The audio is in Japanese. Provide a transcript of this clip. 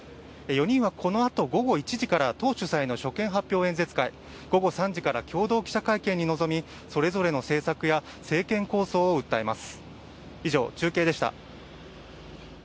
このあと、午後１時から所見発表演説会、午後３時から共同会見に臨み、それぞれの政策や政権構想を訴えます。